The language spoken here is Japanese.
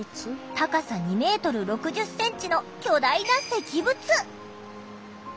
高さ２ｍ６０ｃｍの巨大な石仏。